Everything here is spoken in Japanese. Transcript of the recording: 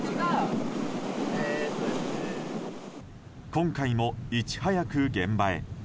今回も、いち早く現場へ。